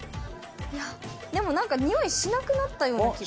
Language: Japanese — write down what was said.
でもなんかにおいしなくなったような気が。